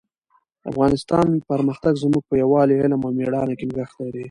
د افغانستان پرمختګ زموږ په یووالي، علم او مېړانه کې نغښتی دی.